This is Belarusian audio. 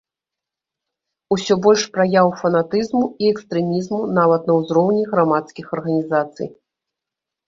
Усё больш праяў фанатызму і экстрэмізму нават на ўзроўні грамадскіх арганізацый.